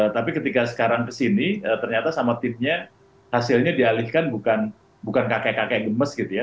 tapi ketika sekarang kesini ternyata sama timnya hasilnya dialihkan bukan kakek kakek gemes gitu ya